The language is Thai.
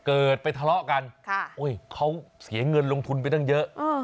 เกิดไปทะเลาะกันเขาเสียเงินลงทุนไปตั้งเยอะ